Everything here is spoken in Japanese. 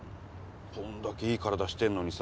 こんだけいい体してんのにさ